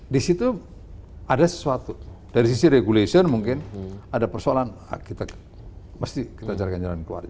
di situ ada sesuatu dari sisi regulation mungkin ada persoalan kita mesti kita jalankan jalan keluar